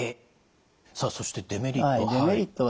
さあそしてデメリット。